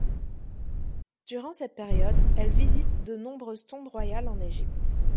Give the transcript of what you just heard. Durant cette période, elle visite de nombreuses tombes royales en Égypte.